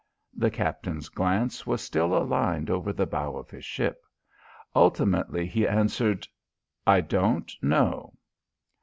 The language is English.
The captain's glance was still aligned over the bow of his ship. Ultimately he answered: "I don't know."